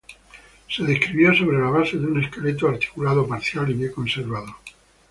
Se describió sobre la base de un esqueleto articulado parcial y bien conservado.